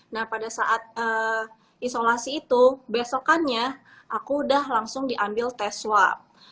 nah pada saat isolasi itu besokannya aku udah langsung diambil tes swab